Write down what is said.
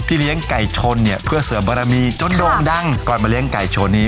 เลี้ยงไก่ชนเนี่ยเพื่อเสริมบารมีจนโด่งดังก่อนมาเลี้ยงไก่ชนนี้